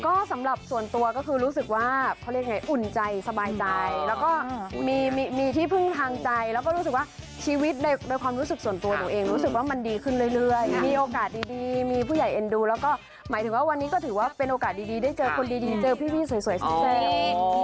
ก็สำหรับส่วนตัวก็คือรู้สึกว่าเขาเรียกเห็นอุ่นใจสบายใจแล้วก็มีที่พึ่งทางใจแล้วก็รู้สึกว่าชีวิตโดยความรู้สึกส่วนตัวหนูเองรู้สึกว่ามันดีขึ้นเรื่อยมีโอกาสดีมีผู้ใหญ่เอ็นดูแล้วก็หมายถึงว่าวันนี้ก็ถือว่าเป็นโอกาสดีได้เจอคนดีเจอพี่สวยเซฟ